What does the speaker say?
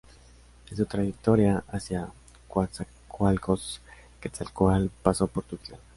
En su trayecto hacia Coatzacoalcos, Quetzalcoatl pasa por Tuxtla.